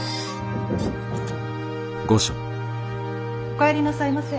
お帰りなさいませ。